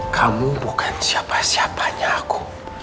kamu bukan siapa siapanya aku